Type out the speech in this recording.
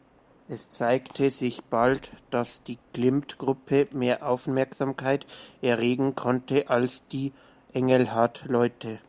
Es zeigte sich bald, dass die Klimt-Gruppe mehr Aufmerksamkeit erregen konnte als die Engelhart-Leute.